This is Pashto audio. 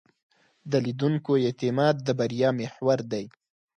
د لیدونکو اعتماد د بریا محور دی.